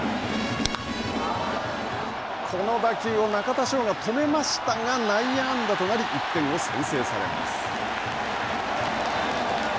この打球を中田翔が止めましたが内野安打となり１点を先制されます。